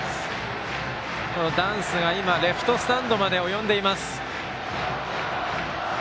ダンスが今、レフトスタンドまでおよんでいます。